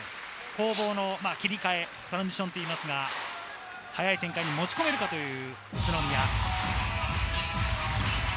攻防の切り替えをトランジションと言いますが、速い展開に持ち込めるかという宇都宮。